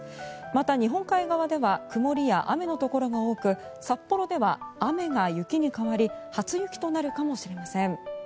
また、日本海側では曇りや雨のところが多く札幌では雨が雪に変わり初雪となるかもしれません。